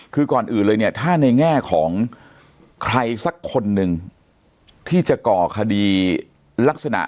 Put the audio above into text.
คือก่อนอื่นเลยเนี่ยถ้าในแง่ของใครสักคนหนึ่งที่จะก่อคดีลักษณะ